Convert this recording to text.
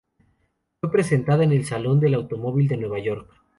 Fue presentada en el Salón del Automóvil de Nueva York.